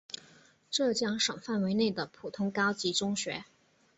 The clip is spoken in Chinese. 浙江省范围内的普通高级中学。